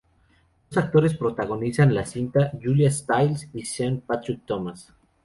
Dos actores protagonizan la cinta, Julia Stiles y Sean Patrick Thomas.